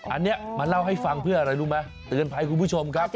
อันนี้มาเล่าให้ฟังเพื่ออะไรรู้ไหมเตือนภัยคุณผู้ชมครับ